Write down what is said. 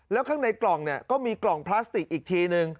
แล้วข้างในกล่องเนี่ยก็มีกล่องพลาสติกอีกทีนึง